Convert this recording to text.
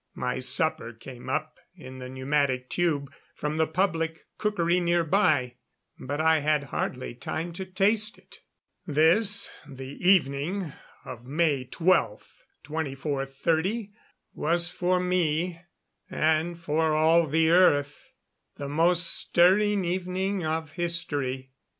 My supper came up in the pneumatic tube from the public cookery nearby, but I had hardly time to taste it. This, the evening of May 12, 2430, was for me and for all the Earth the most stirring evening of history.